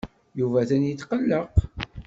Yuba atan yetqelleq.